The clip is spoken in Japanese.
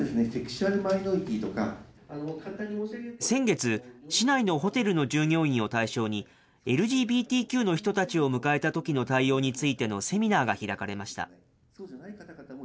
先月、市内のホテルの従業員を対象に、ＬＧＢＴＱの人たちを迎えたときの対応についてのセミナーが開かれました。